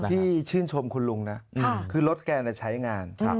ที่ชื่นชมคุณลุงนะคือรถแกใช้งาน